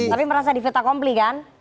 tapi merasa di faith accomplice kan